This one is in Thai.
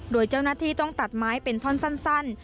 โดยเจ้าหน้าที่ต้องตัดไม้เป็นท่อนสั้น